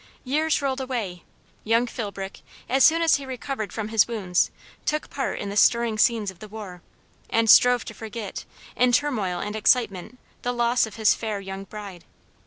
Years rolled away; young Philbrick, as soon as he recovered from his wounds, took part in the stirring scenes of the war, and strove to forget, in turmoil and excitement, the loss of his fair young bride.